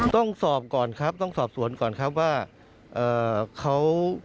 ต้องสอบก่อนครับต้องสอบสวนก่อนครับว่าเขา